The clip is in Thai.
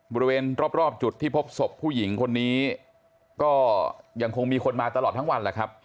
บริเวณรอบจุดที่พบศพผู้หญิงคนนี้ก็ยังคงมีคนมาตลอดทั้งวันแหละครับ